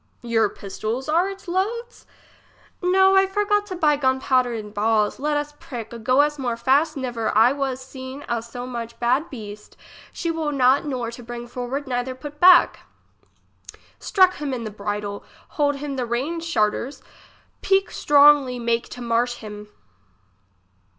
Your pistols are its loads ? No; I forgot to buy gun powder and balls. Let us prick. Go us more fast never I was seen a so much bad beast; she will not nor to bring forward neither put back. Strek him the bridle, hold him the reins shart ers. Pique stron gly, make to marsh him.